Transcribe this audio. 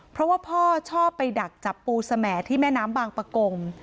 เพราะว่าพ่อชอบไปดักจับปูแสมที่แม่น้ำบางประกง